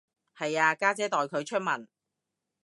係啊，家姐代佢出文